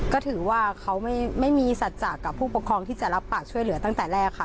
ก็ถือว่าเขาไม่มีสัจจะกับผู้ปกครองที่จะรับปากช่วยเหลือตั้งแต่แรกค่ะ